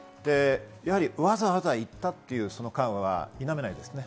わざわざ行ったという、その感は否めないですね。